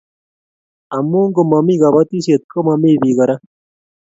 Amu ngomomi kobotisiet komomi bik kora